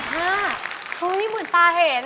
เห้ยเหมือนตาเห็น